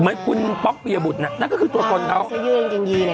เหมือนคุณป๊อกเปียบุตน่ะนั่นก็คือตัวตนเขาอ๋อเสื้อยื่นยิงยีนอย่างเงี้ย